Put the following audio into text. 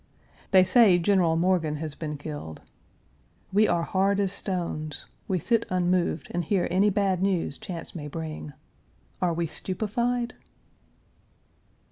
They say General Morgan has been killed. We are hard as stones; we sit unmoved and hear any bad news chance may bring. Are we stupefied?